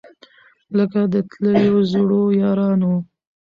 لکه د تللیو زړو یارانو